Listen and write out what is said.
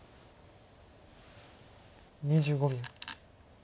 ２５秒。